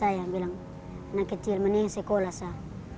saya bilang anak kecil mendingan sekolah saya